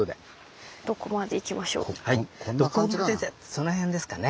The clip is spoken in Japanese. その辺ですかね。